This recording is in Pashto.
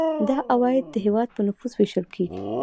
دا عواید د هیواد په نفوس ویشل کیږي.